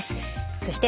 そして。